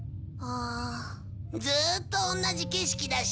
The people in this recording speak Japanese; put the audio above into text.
ずーっと同じ景色だし。